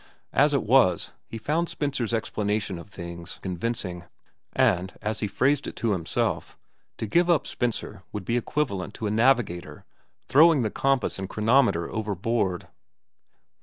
As it was, he found Spencer's explanation of things convincing; and, as he phrased it to himself, to give up Spencer would be equivalent to a navigator throwing the compass and chronometer overboard.